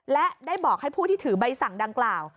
และได้บอกให้ผู้ที่ถือใบสั่งดังกล่าว